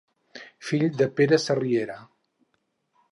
Fill de Pere Sarriera.